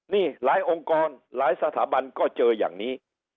นี่หลายองค์กรหลายสถาบันก็เจออย่างนี้